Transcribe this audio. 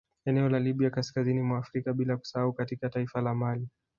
Eneo la Libya kaskazini mwa Afrika bila kusahau katika taifa la mali